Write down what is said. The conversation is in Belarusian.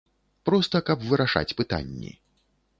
Проста каб вырашаць пытанні.